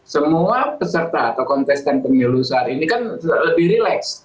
semua peserta atau kontestan pengelusar ini kan lebih relax